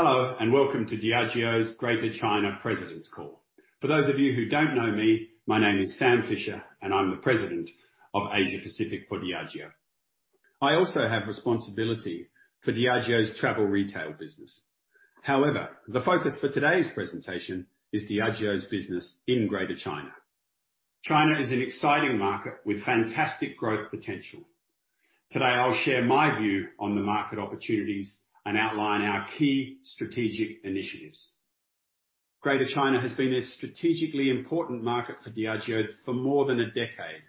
Hello, and welcome to Diageo's Greater China President's Call. For those of you who don't know me, my name is Sam Fischer, and I'm the President of Asia Pacific for Diageo. I also have responsibility for Diageo's travel retail business. However, the focus for today's presentation is Diageo's business in Greater China. China is an exciting market with fantastic growth potential. Today, I'll share my view on the market opportunities and outline our key strategic initiatives. Greater China has been a strategically important market for Diageo for more than a decade,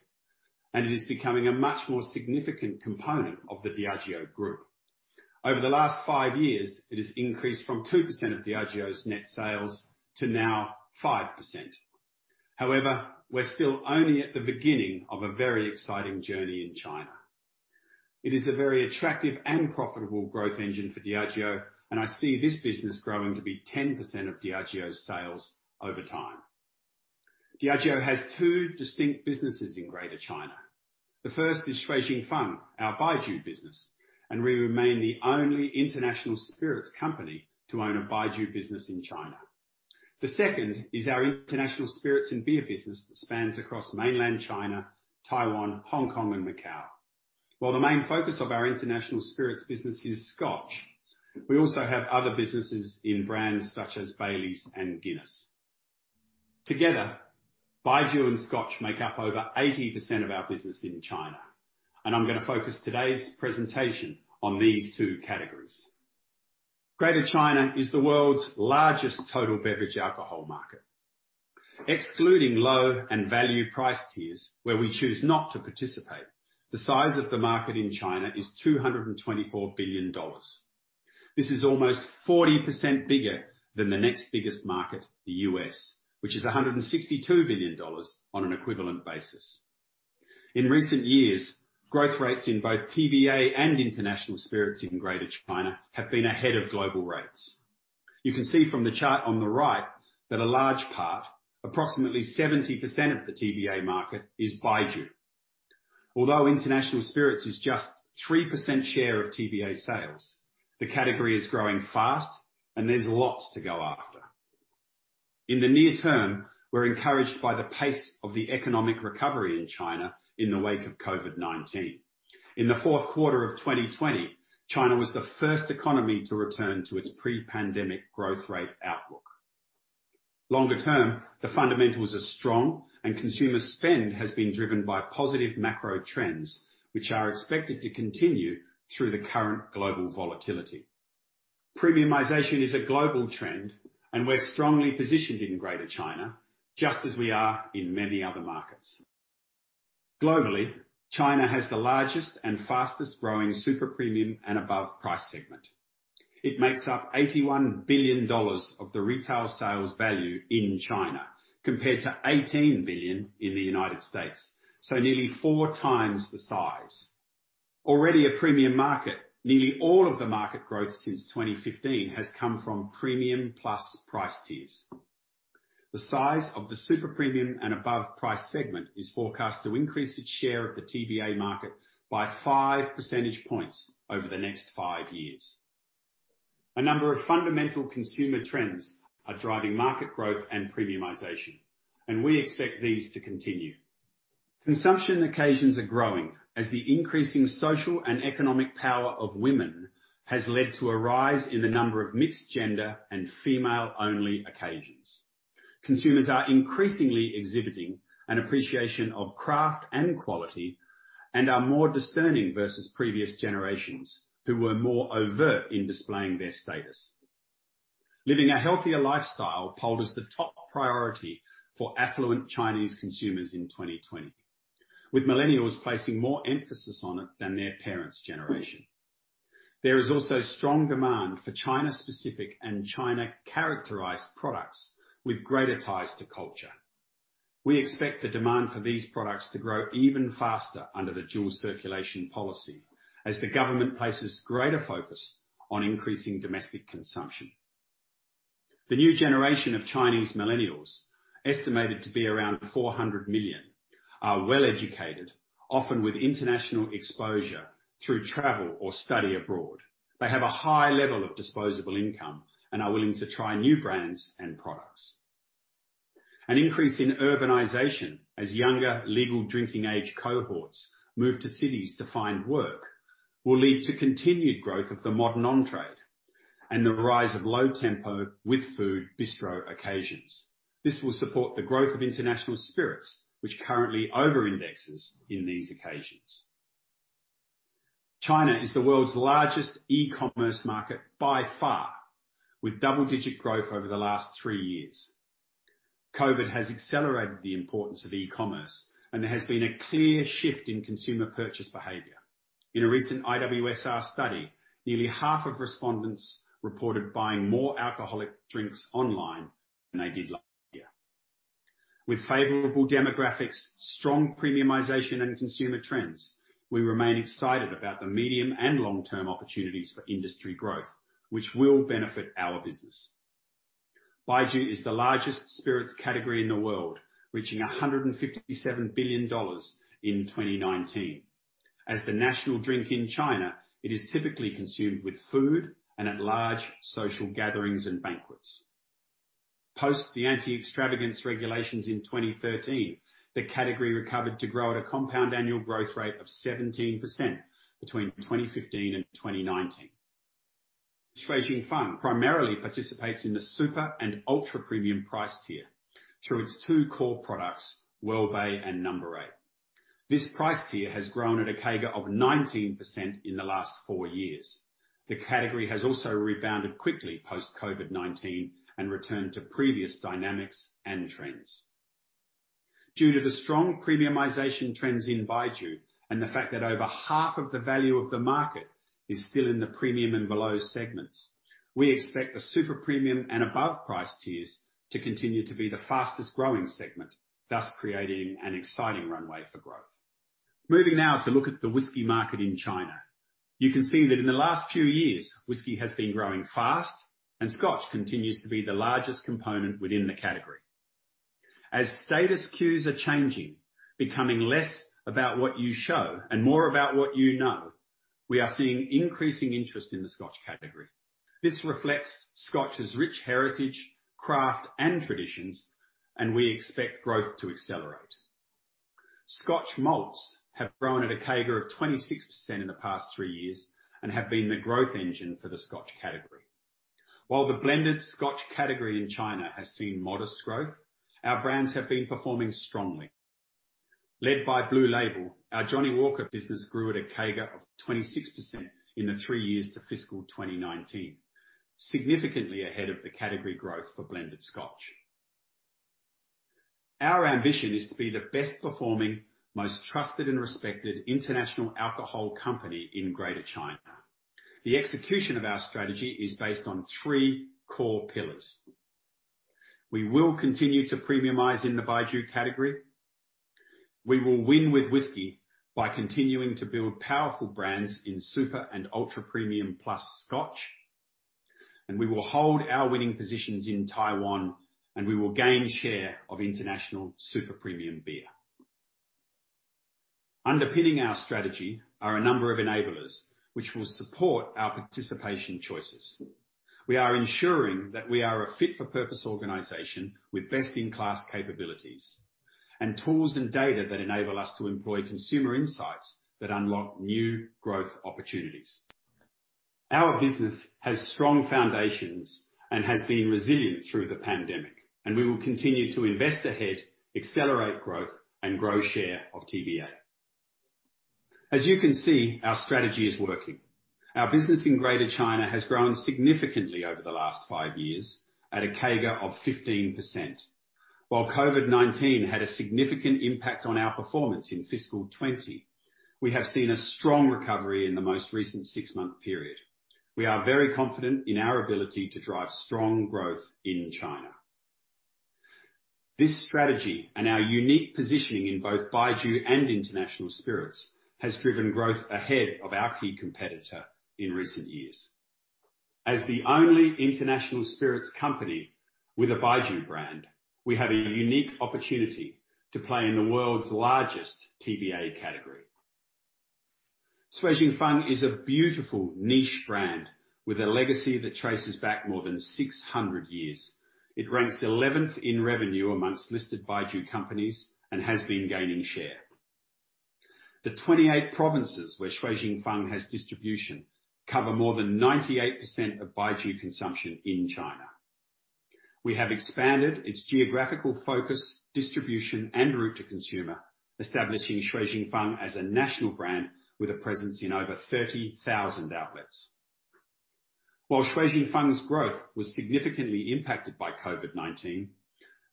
and it is becoming a much more significant component of the Diageo group. Over the last five years, it has increased from 2% of Diageo's net sales to now 5%. However, we're still only at the beginning of a very exciting journey in China. It is a very attractive and profitable growth engine for Diageo, and I see this business growing to be 10% of Diageo's sales over time. Diageo has two distinct businesses in Greater China. The first is Shui Jing Fang, our Baijiu business, and we remain the only international spirits company to own a Baijiu business in China. The second is our international spirits and beer business that spans across mainland China, Taiwan, Hong Kong, and Macau. While the main focus of our international spirits business is Scotch, we also have other businesses in brands such as Baileys and Guinness. Together, Baijiu and Scotch make up over 80% of our business in China, and I'm going to focus today's presentation on these two categories. Greater China is the world's largest total beverage alcohol market. Excluding low and value price tiers, where we choose not to participate, the size of the market in China is $224 billion. This is almost 40% bigger than the next biggest market, the U.S., which is $162 billion on an equivalent basis. In recent years, growth rates in both TBA and international spirits in Greater China have been ahead of global rates. You can see from the chart on the right that a large part, approximately 70% of the TBA market is Baijiu. Although international spirits is just 3% share of TBA sales, the category is growing fast and there's lots to go after. In the near term, we're encouraged by the pace of the economic recovery in China in the wake of COVID-19. In the fourth quarter of 2020, China was the first economy to return to its pre-pandemic growth rate outlook. Longer term, the fundamentals are strong and consumer spend has been driven by positive macro trends, which are expected to continue through the current global volatility. Premiumization is a global trend, and we're strongly positioned in Greater China, just as we are in many other markets. Globally, China has the largest and fastest-growing super premium and above price segment. It makes up $81 billion of the retail sales value in China, compared to $18 billion in the U.S., nearly four times the size. Already a premium market, nearly all of the market growth since 2015 has come from premium plus price tiers. The size of the super premium and above price segment is forecast to increase its share of the TBA market by five percentage points over the next five years. A number of fundamental consumer trends are driving market growth and premiumization, and we expect these to continue. Consumption occasions are growing as the increasing social and economic power of women has led to a rise in the number of mixed gender and female-only occasions. Consumers are increasingly exhibiting an appreciation of craft and quality and are more discerning versus previous generations who were more overt in displaying their status. Living a healthier lifestyle polled as the top priority for affluent Chinese consumers in 2020, with millennials placing more emphasis on it than their parents' generation. There is also strong demand for China-specific and China-characterized products with greater ties to culture. We expect the demand for these products to grow even faster under the dual circulation policy as the government places greater focus on increasing domestic consumption. The new generation of Chinese millennials, estimated to be around 400 million, are well-educated, often with international exposure through travel or study abroad. They have a high level of disposable income and are willing to try new brands and products. An increase in urbanization as younger legal drinking age cohorts move to cities to find work will lead to continued growth of the modern on-trade and the rise of low tempo with food bistro occasions. This will support the growth of international spirits, which currently over-indexes in these occasions. China is the world's largest e-commerce market by far, with double-digit growth over the last three years. COVID has accelerated the importance of e-commerce, and there has been a clear shift in consumer purchase behavior. In a recent IWSR study, nearly half of respondents reported buying more alcoholic drinks online than they did last year. With favorable demographics, strong premiumization, and consumer trends, we remain excited about the medium and long-term opportunities for industry growth, which will benefit our business. Baijiu is the largest spirits category in the world, reaching $157 billion in 2019. As the national drink in China, it is typically consumed with food and at large social gatherings and banquets. Post the anti-extravagance regulations in 2013, the category recovered to grow at a compound annual growth rate of 17% between 2015 and 2019. Shui Jing Fang primarily participates in the super and ultra-premium price tier through its two core products, Wellbay and Number 8. This price tier has grown at a CAGR of 19% in the last four years. The category has also rebounded quickly post-COVID-19 and returned to previous dynamics and trends. Due to the strong premiumization trends in Baijiu and the fact that over half of the value of the market is still in the premium and below segments, we expect the super premium and above price tiers to continue to be the fastest growing segment, thus creating an exciting runway for growth. Moving now to look at the whisky market in China. You can see that in the last few years, whisky has been growing fast, and Scotch continues to be the largest component within the category. As status cues are changing, becoming less about what you show and more about what you know, we are seeing increasing interest in the Scotch category. This reflects Scotch's rich heritage, craft, and traditions, and we expect growth to accelerate. Scotch malts have grown at a CAGR of 26% in the past three years and have been the growth engine for the Scotch category. While the blended Scotch category in China has seen modest growth, our brands have been performing strongly. Led by Blue Label, our Johnnie Walker business grew at a CAGR of 26% in the three years to fiscal 2019, significantly ahead of the category growth for blended Scotch. Our ambition is to be the best performing, most trusted and respected international alcohol company in Greater China. The execution of our strategy is based on three core pillars. We will continue to premiumize in the Baijiu category. We will win with whisky by continuing to build powerful brands in super and ultra-premium plus Scotch, and we will hold our winning positions in Taiwan, and we will gain share of international super premium beer. Underpinning our strategy are a number of enablers which will support our participation choices. We are ensuring that we are a fit-for-purpose organization with best-in-class capabilities and tools and data that enable us to employ consumer insights that unlock new growth opportunities. Our business has strong foundations and has been resilient through the pandemic. We will continue to invest ahead, accelerate growth, and grow share of TBA. As you can see, our strategy is working. Our business in Greater China has grown significantly over the last five years at a CAGR of 15%. While COVID-19 had a significant impact on our performance in fiscal 2020, we have seen a strong recovery in the most recent six-month period. We are very confident in our ability to drive strong growth in China. This strategy and our unique positioning in both Baijiu and international spirits has driven growth ahead of our key competitor in recent years. As the only international spirits company with a Baijiu brand, we have a unique opportunity to play in the world's largest TBA category. Shui Jing Fang is a beautiful niche brand with a legacy that traces back more than 600 years. It ranks 11th in revenue amongst listed Baijiu companies and has been gaining share. The 28 provinces where Shui Jing Fang has distribution cover more than 98% of Baijiu consumption in China. We have expanded its geographical focus, distribution, and route to consumer, establishing Shui Jing Fang as a national brand with a presence in over 30,000 outlets. While Shui Jing Fang's growth was significantly impacted by COVID-19,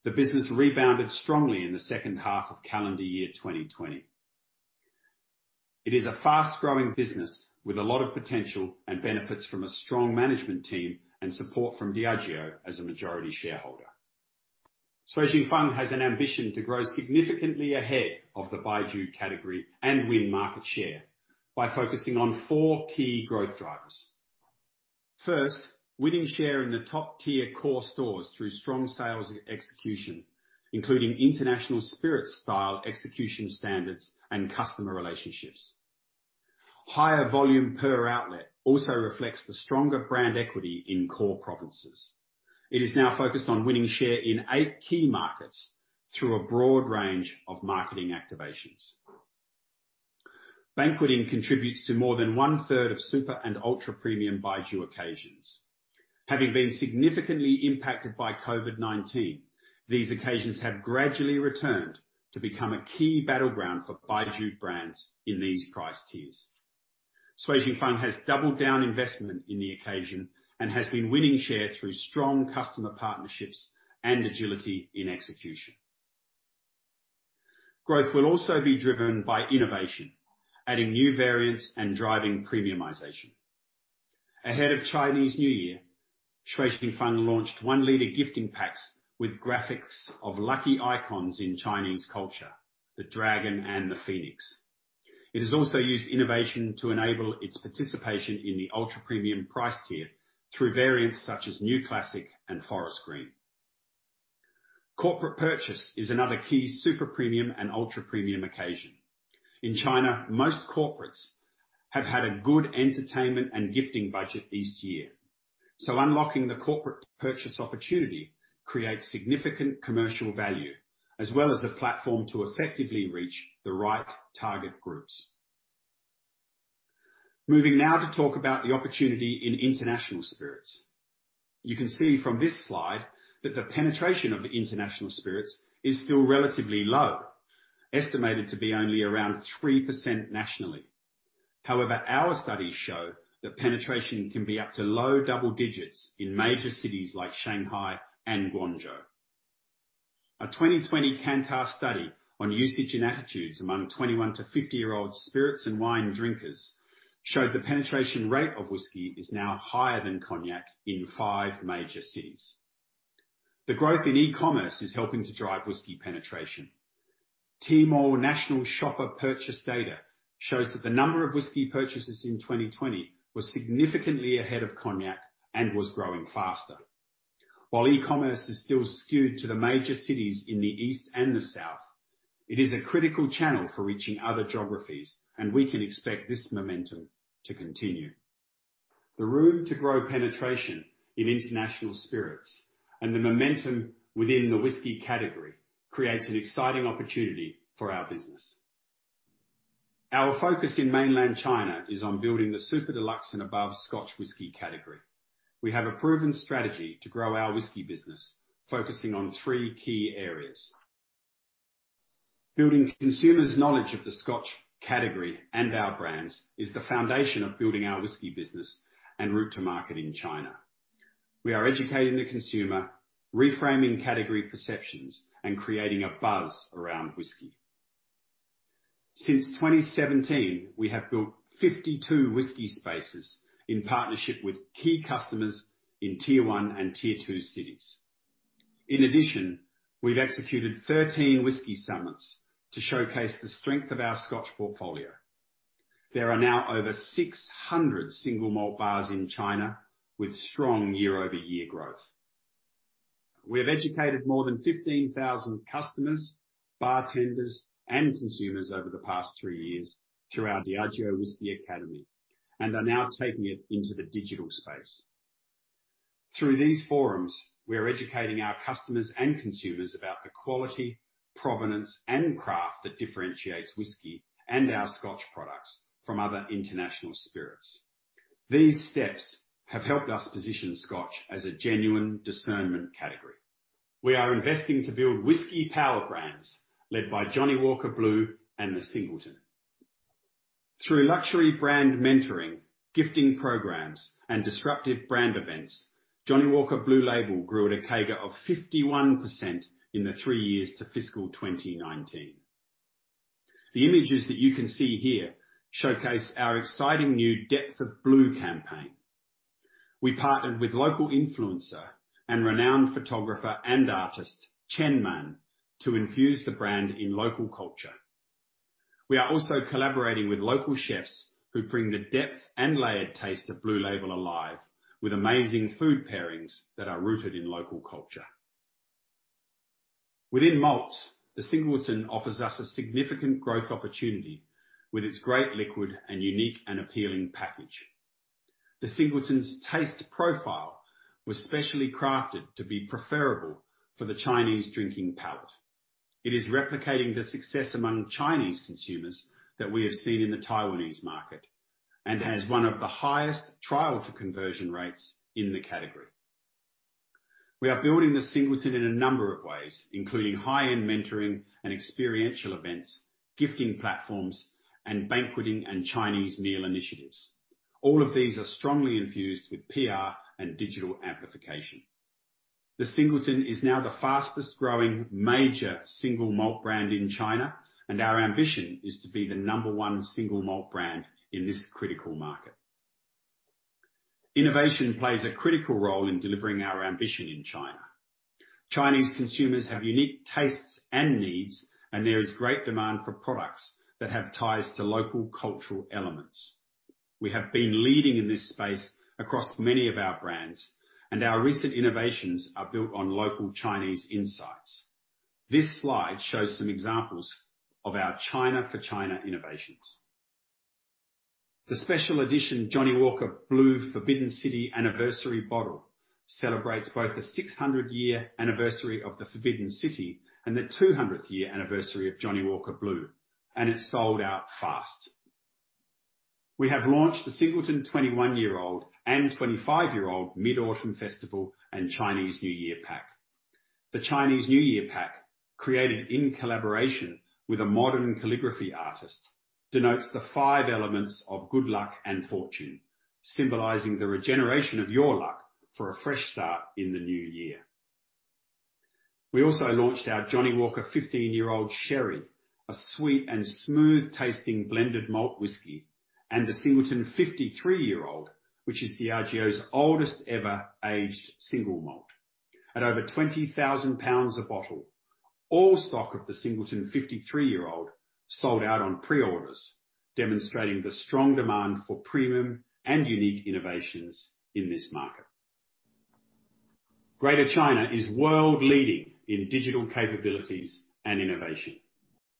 the business rebounded strongly in the second half of calendar year 2020. It is a fast-growing business with a lot of potential and benefits from a strong management team and support from Diageo as a majority shareholder. Shui Jing Fang has an ambition to grow significantly ahead of the Baijiu category and win market share by focusing on four key growth drivers. First, winning share in the top tier core stores through strong sales execution, including international spirit style execution standards and customer relationships. Higher volume per outlet also reflects the stronger brand equity in core provinces. It is now focused on winning share in eight key markets through a broad range of marketing activations. Banqueting contributes to more than one-third of super and ultra-premium Baijiu occasions. Having been significantly impacted by COVID-19, these occasions have gradually returned to become a key battleground for Baijiu brands in these price tiers. Shui Jing Fang has doubled down investment in the occasion and has been winning share through strong customer partnerships and agility in execution. Growth will also be driven by innovation, adding new variants and driving premiumization. Ahead of Chinese New Year, Shui Jing Fang launched one liter gifting packs with graphics of lucky icons in Chinese culture, the dragon and the phoenix. It has also used innovation to enable its participation in the ultra-premium price tier through variants such as New Classic and Forest Green. Corporate purchase is another key super premium and ultra-premium occasion. In China, most corporates have had a good entertainment and gifting budget each year. Unlocking the corporate purchase opportunity creates significant commercial value as well as a platform to effectively reach the right target groups. Moving now to talk about the opportunity in international spirits. You can see from this slide that the penetration of international spirits is still relatively low, estimated to be only around 3% nationally. However, our studies show that penetration can be up to low double digits in major cities like Shanghai and Guangzhou. A 2020 Kantar study on usage and attitudes among 21 to 50-year-old spirits and wine drinkers showed the penetration rate of whisky is now higher than cognac in five major cities. The growth in e-commerce is helping to drive whisky penetration. Tmall National Shopper purchase data shows that the number of whisky purchases in 2020 was significantly ahead of cognac and was growing faster. While e-commerce is still skewed to the major cities in the East and the South, it is a critical channel for reaching other geographies, and we can expect this momentum to continue. The room to grow penetration in international spirits and the momentum within the whisky category creates an exciting opportunity for our business. Our focus in mainland China is on building the super de luxe and above Scotch whisky category. We have a proven strategy to grow our whisky business, focusing on three key areas. Building consumers' knowledge of the Scotch category and our brands is the foundation of building our whisky business and route to market in China. We are educating the consumer, reframing category perceptions, and creating a buzz around whisky. Since 2017, we have built 52 whisky spaces in partnership with key customers in Tier I and Tier II cities. In addition, we've executed 13 whisky summits to showcase the strength of our Scotch portfolio. There are now over 600 single malt bars in China with strong year-over-year growth. We have educated more than 15,000 customers, bartenders, and consumers over the past three years through our Diageo Whisky Academy and are now taking it into the digital space. Through these forums, we are educating our customers and consumers about the quality, provenance, and craft that differentiates whisky and our Scotch products from other international spirits. These steps have helped us position Scotch as a genuine discernment category. We are investing to build whisky power brands led by Johnnie Walker Blue and The Singleton. Through luxury brand mentoring, gifting programs, and disruptive brand events, Johnnie Walker Blue Label grew at a CAGR of 51% in the three years to fiscal 2019. The images that you can see here showcase our exciting new Depth of Blue campaign. We partnered with local influencer and renowned photographer and artist, Chen Man, to infuse the brand in local culture. We are also collaborating with local chefs who bring the depth and layered taste of Blue Label alive with amazing food pairings that are rooted in local culture. Within malts, The Singleton offers us a significant growth opportunity with its great liquid and unique and appealing package. The Singleton's taste profile was specially crafted to be preferable for the Chinese drinking palate. It is replicating the success among Chinese consumers that we have seen in the Taiwanese market and has one of the highest trial to conversion rates in the category. We are building The Singleton in a number of ways, including high-end mentoring and experiential events, gifting platforms, and banqueting and Chinese meal initiatives. All of these are strongly infused with PR and digital amplification. The Singleton is now the number one fastest growing major single malt brand in China, and our ambition is to be the number one single malt brand in this critical market. Innovation plays a critical role in delivering our ambition in China. Chinese consumers have unique tastes and needs, and there is great demand for products that have ties to local cultural elements. We have been leading in this space across many of our brands, and our recent innovations are built on local Chinese insights. This slide shows some examples of our China for China innovations. The special edition Johnnie Walker Blue Label Forbidden City anniversary bottle celebrates both the 600-year anniversary of the Forbidden City and the 200th year anniversary of Johnnie Walker Blue Label, and it sold out fast. We have launched The Singleton 21 Year Old and Singleton 25 Year Old mid-autumn festival and Chinese New Year pack. The Chinese New Year pack, created in collaboration with a modern calligraphy artist, denotes the five elements of good luck and fortune, symbolizing the regeneration of your luck for a fresh start in the new year. We also launched our Johnnie Walker 15 Year Old Sherry, a sweet and smooth tasting blended malt whisky, and The Singleton 53 Year Old, which is Diageo's oldest ever aged single malt. At over 20,000 pounds a bottle, all stock of The Singleton 53 Year Old sold out on pre-orders, demonstrating the strong demand for premium and unique innovations in this market. Greater China is world leading in digital capabilities and innovation.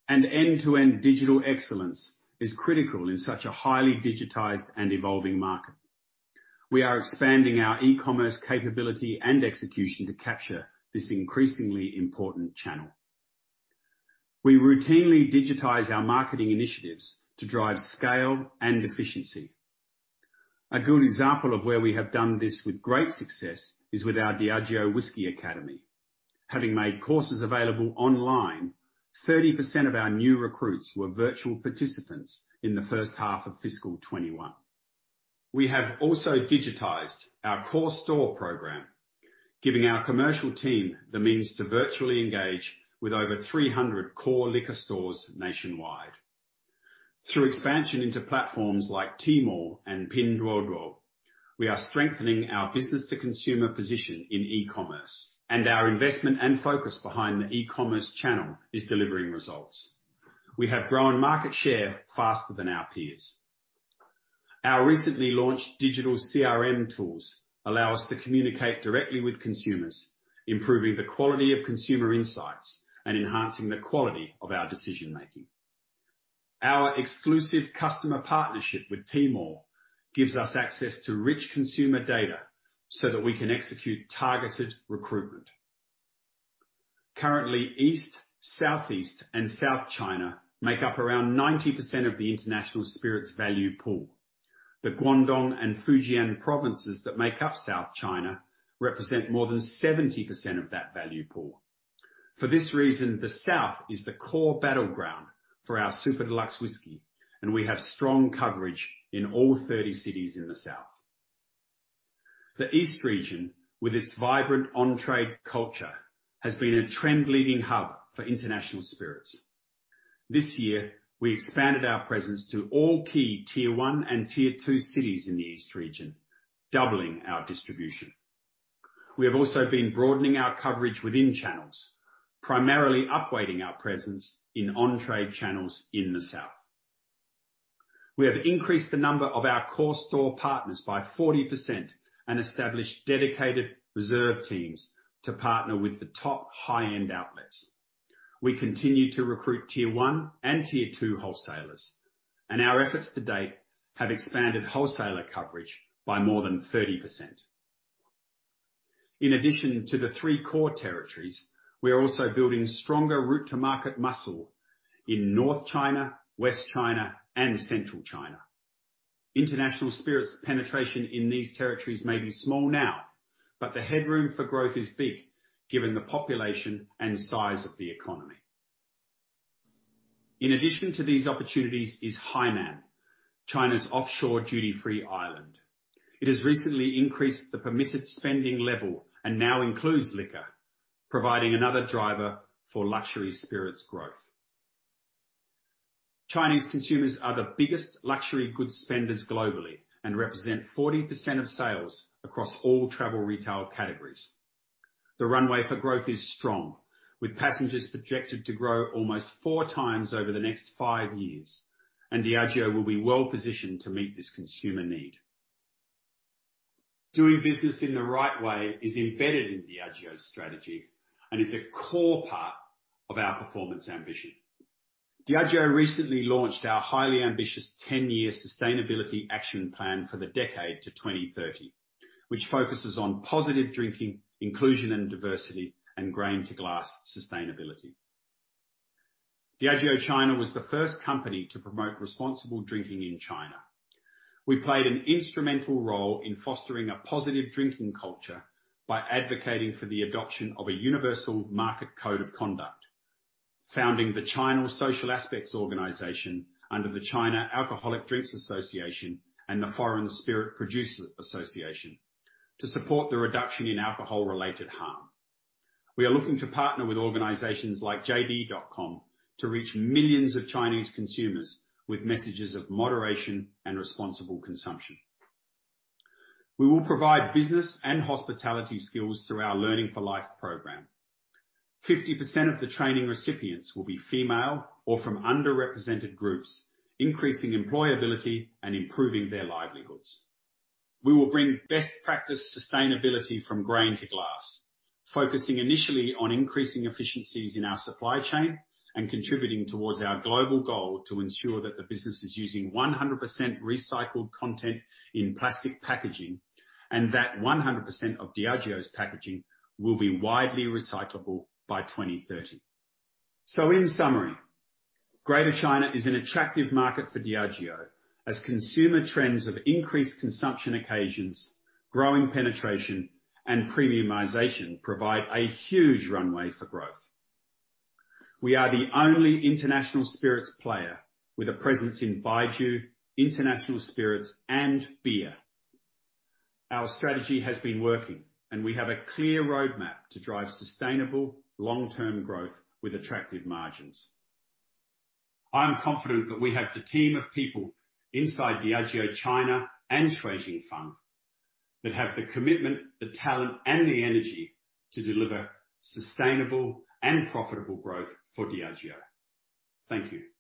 End-to-end digital excellence is critical in such a highly digitized and evolving market. We are expanding our e-commerce capability and execution to capture this increasingly important channel. We routinely digitize our marketing initiatives to drive scale and efficiency. A good example of where we have done this with great success is with our Diageo Whisky Academy. Having made courses available online, 30% of our new recruits were virtual participants in the first half of fiscal 2021. We have also digitized our core store program, giving our commercial team the means to virtually engage with over 300 core liquor stores nationwide. Through expansion into platforms like Tmall and Pinduoduo, we are strengthening our business to consumer position in e-commerce, and our investment and focus behind the e-commerce channel is delivering results. We have grown market share faster than our peers. Our recently launched digital CRM tools allow us to communicate directly with consumers, improving the quality of consumer insights and enhancing the quality of our decision-making. Our exclusive customer partnership with Tmall gives us access to rich consumer data so that we can execute targeted recruitment. Currently, East, Southeast, and South China make up around 90% of the international spirits value pool. The Guangdong and Fujian provinces that make up South China represent more than 70% of that value pool. For this reason, the South is the core battleground for our super de luxe whiskey, and we have strong coverage in all 30 cities in the South. The East region, with its vibrant on-trade culture, has been a trend leading hub for international spirits. This year, we expanded our presence to all key Tier I and Tier II cities in the East region, doubling our distribution. We have also been broadening our coverage within channels, primarily upweighting our presence in on-trade channels in the South. We have increased the number of our core store partners by 40% and established dedicated reserve teams to partner with the top high-end outlets. We continue to recruit Tier I and Tier II wholesalers, and our efforts to date have expanded wholesaler coverage by more than 30%. In addition to the three core territories, we are also building stronger route to market muscle in North China, West China, and Central China. International spirits penetration in these territories may be small now, but the headroom for growth is big given the population and size of the economy. In addition to these opportunities is Hainan, China's offshore duty-free island. It has recently increased the permitted spending level and now includes liquor, providing another driver for luxury spirits growth. Chinese consumers are the biggest luxury goods spenders globally and represent 40% of sales across all travel retail categories. The runway for growth is strong, with passengers projected to grow almost four times over the next five years, and Diageo will be well positioned to meet this consumer need. Doing business in the right way is embedded in Diageo's strategy and is a core part of our performance ambition. Diageo recently launched our highly ambitious 10-year sustainability action plan for the decade to 2030, which focuses on positive drinking, inclusion and diversity, and grain to glass sustainability. Diageo China was the first company to promote responsible drinking in China. We played an instrumental role in fostering a positive drinking culture by advocating for the adoption of a universal market code of conduct, founding the China Social Aspects Organization under the China Alcoholic Drinks Association and the Foreign Spirits Producers Association to support the reduction in alcohol-related harm. We are looking to partner with organizations like JD.com to reach millions of Chinese consumers with messages of moderation and responsible consumption. We will provide business and hospitality skills through our Learning for Life program. 50% of the training recipients will be female or from underrepresented groups, increasing employability and improving their livelihoods. We will bring best practice sustainability from grain to glass, focusing initially on increasing efficiencies in our supply chain and contributing towards our global goal to ensure that the business is using 100% recycled content in plastic packaging, and that 100% of Diageo's packaging will be widely recyclable by 2030. In summary, Greater China is an attractive market for Diageo as consumer trends of increased consumption occasions, growing penetration, and premiumization provide a huge runway for growth. We are the only international spirits player with a presence in Baijiu, international spirits, and beer. Our strategy has been working, and we have a clear roadmap to drive sustainable long-term growth with attractive margins. I am confident that we have the team of people inside Diageo China and Shui Jing Fang that have the commitment, the talent, and the energy to deliver sustainable and profitable growth for Diageo. Thank you.